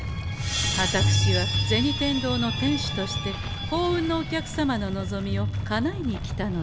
あたくしは銭天堂の店主として幸運のお客様の望みをかなえに来たのでござんす。